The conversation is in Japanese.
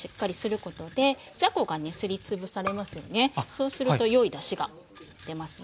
そうすると良いだしが出ますね。